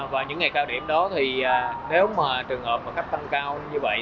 và những ngày cao điểm đó thì nếu mà trường hợp mà khách tăng cao như vậy